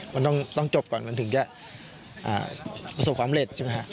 มันต้องจบก่อนเรื่องการประสบความเร็ดใช่มั้ยฮะ